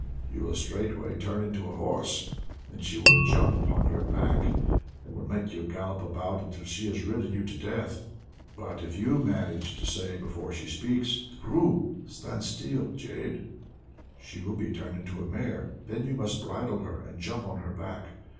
you will straightway turn into a horse. Then she will jump upon your back, and will make you gallop about until she has ridden you to death. But if you manage to say before she speaks, 'Tprru! stand still, jade!' she will be turned into a mare. Then you must bridle her and jump on her back.